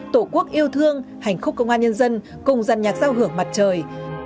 tổ quốc yêu thương hành khúc công an nhân dân cùng giàn nhạc giao hưởng mặt trời